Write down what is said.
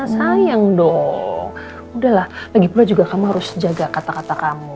sayang dong udahlah lagi pula juga kamu harus jaga kata kata kamu